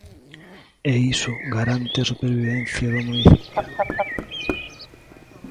¿E iso garante a supervivencia do municipio?